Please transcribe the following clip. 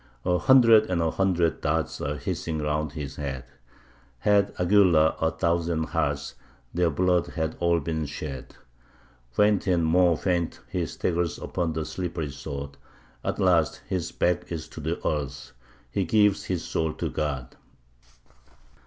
A hundred and a hundred darts are hissing round his head; Had Aguilar a thousand hearts, their blood had all been shed; Faint and more faint he staggers upon the slippery sod At last his back is to the earth, he gives his soul to God.